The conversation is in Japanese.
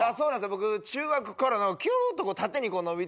僕中学からキューッと縦に伸びていって。